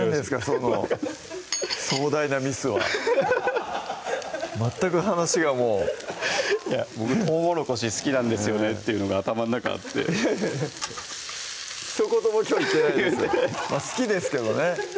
その壮大なミスは全く話がもう「とうもろこし好きなんですよね」というのが頭の中にあってひと言もきょう言ってないです好きですけどね